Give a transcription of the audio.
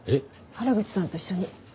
原口さんと一緒に。